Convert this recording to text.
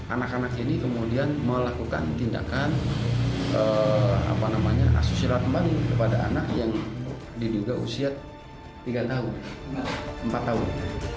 anak anak ini kemudian melakukan tindakan asusila kembali kepada anak yang diduga usia empat tahun